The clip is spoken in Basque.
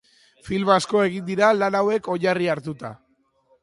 Film asko egin dira lan hauek oinarri hartuta.